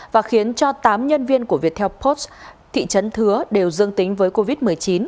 và khiến cho tám nhân viên của viettel post thị trấn thứa đều dương tính với covid một mươi chín